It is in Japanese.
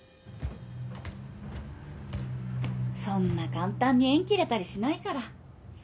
そんな簡単に縁切れたりしないから。